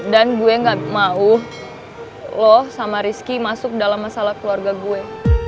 dan gue nggak mau lo sama rizky masuk dalam masalah keluarga gue